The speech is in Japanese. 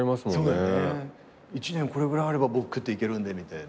１年これぐらいあれば僕食っていけるんでみたいな。